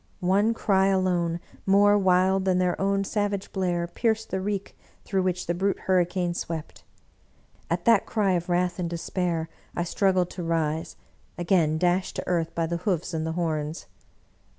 One cry alone, more wild than their own savage blare, pierced the reek through which the Brute Hurricane swept. At that cry of wrath and despair I struggled to rise, again dashed to earth by the hoofs and the horns.